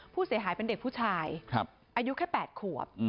ผู้เสียหายเป็นเด็กผู้ชายอายุแค่๘ขวบ